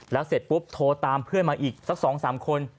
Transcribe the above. แล้วเสร็จปุ๊บโทรตามเพื่อนมาอีกสัก๒๓คน